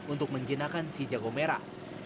untuk menjinakkan si jago merah